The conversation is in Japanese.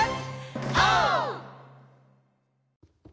オー！